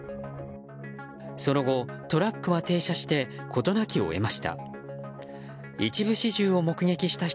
その後、トラックは停車して事なきを得ました。